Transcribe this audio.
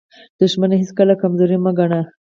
دښمن هیڅکله کمزوری مه ګڼئ.